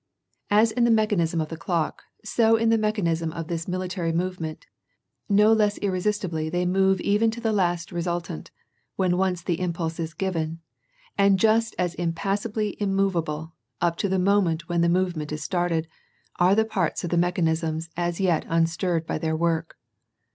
As in the mechanism of the clock, so in the mechanism of this military movement ; no less irresistiblj they move even to the last resultant, when once the impulse is given and just as impassively immovable, up to the moment when the move ment is started, are the parts of the mechanisms as yet unstirred by their work.